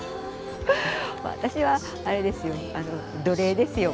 私はあれですよ。